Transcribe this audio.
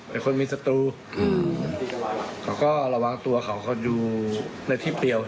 เป็นคนมีศัตรูอืมเขาก็ระวังตัวเขาก็อยู่ในที่เปรียว